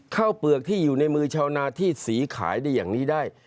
เปลือกที่อยู่ในมือชาวนาที่สีขายได้อย่างนี้ได้